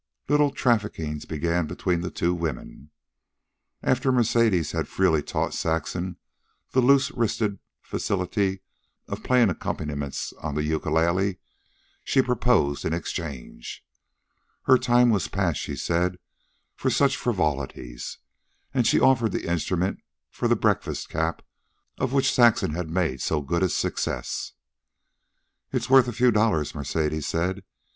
Little traffickings began between the two women. After Mercedes had freely taught Saxon the loose wristed facility of playing accompaniments on the ukulele, she proposed an exchange. Her time was past, she said, for such frivolities, and she offered the instrument for the breakfast cap of which Saxon had made so good a success. "It's worth a few dollars," Mercedes said.